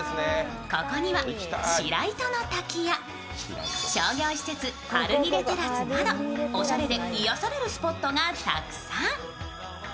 ここには白糸の滝や商業施設ハルニレテラスなどおしゃれで癒やされるスポットがたくさん。